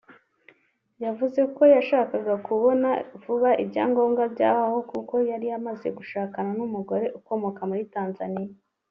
yavuze ko yashakaga kubona vuba ibyangombwa by’aho kuko yari amaze gushakana n’Umugore ukomoka muri Tanzania